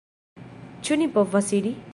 Ĉu ni povas iri?